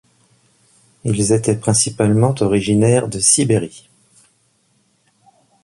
Ils étaient principalement originaires de Sibérie.